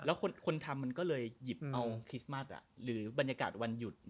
แล้วคนทำมันก็เลยหยิบเอาคริสต์มัสหรือบรรยากาศวันหยุด